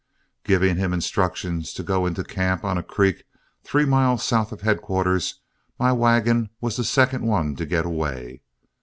Giving him instructions to go into camp on a creek three miles south of headquarters, my wagon was the second one to get away.